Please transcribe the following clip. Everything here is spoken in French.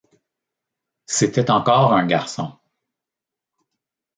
C’était encore un garçon.